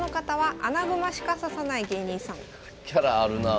キャラあるなあ。